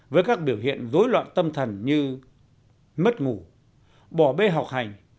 với các biểu hiện dối loạn tâm thần như mất ngủ bỏ bê học hành